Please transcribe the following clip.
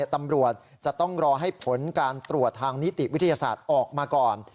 ตำรวจจะต้องรอให้ผลการตรวจทางนิติวิทยาศาสตร์ออกมาก่อน